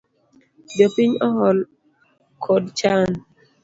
Jopiny ohol kod chan